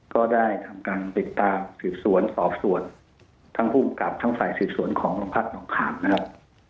ก็ได้ทำการเปลี่ยนตามสื่อสวนสอบสวนทั้งผู้กลับทั้งฝ่ายสื่อสวนของภาคหนองขามนะครับ